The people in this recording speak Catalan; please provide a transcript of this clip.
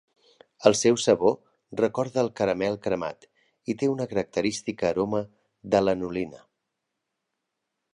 El seu sabor recorda al caramel cremat i té una característica aroma de lanolina.